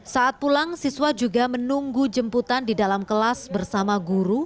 saat pulang siswa juga menunggu jemputan di dalam kelas bersama guru